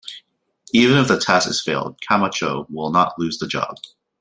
Even if the task is failed, Camacho will not lose the job.